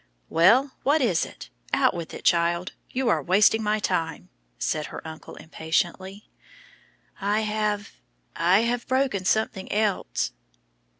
"Well, what is it? Out with it, child! You are wasting my time," said her uncle impatiently. "I have I have broken something else."